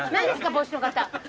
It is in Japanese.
帽子の方。